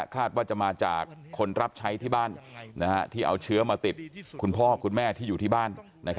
ว่าจะมาจากคนรับใช้ที่บ้านที่เอาเชื้อมาติดคุณพ่อคุณแม่ที่อยู่ที่บ้าน